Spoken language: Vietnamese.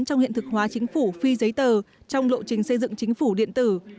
trong hiện thực hóa chính phủ phi giấy tờ trong lộ trình xây dựng chính phủ điện tử